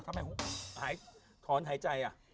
ทำไมหายขอนหายใจอ่ะ